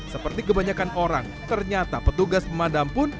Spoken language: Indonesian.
seperti kebanyakan orang ternyata petugas pemadam pun